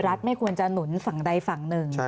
ไม่ควรจะหนุนฝั่งใดฝั่งหนึ่ง